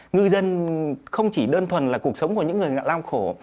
ngư dân không chỉ đơn thuần là cuộc sống của những người lao khổ